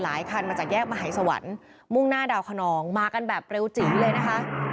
คันมาจากแยกมหายสวรรค์มุ่งหน้าดาวคนองมากันแบบเร็วจีเลยนะคะ